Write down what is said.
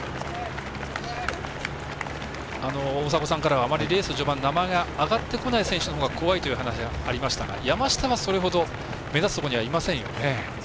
大迫さんからはあまりレース序盤名前が挙がってこない選手のほうが怖いという話がありましたが山下はそれほど目立つ位置にいませんよね。